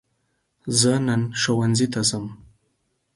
زه نن ښوونځي ته ځم.